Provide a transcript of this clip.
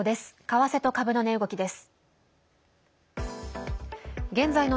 為替と株の値動きです。